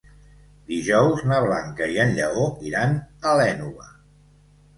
Dijous na Blanca i en Lleó iran a l'Énova.